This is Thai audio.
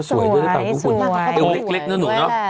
สวยสวย